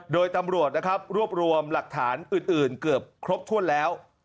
โดยตำรวจนะครับรวบรวมหลักฐานอื่นเกือบครบถ้วนแล้ว